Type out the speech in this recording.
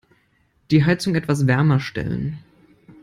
Die Heizung etwas wärmer stellen.